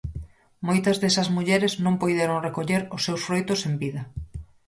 Moitas desas mulleres non puideron recoller os seus froitos en vida.